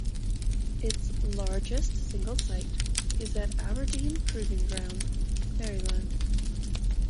Its largest single site is at Aberdeen Proving Ground, Maryland.